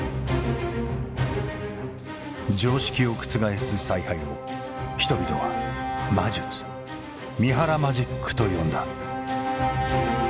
常識を覆す采配を人々は「魔術」「三原マジック」と呼んだ。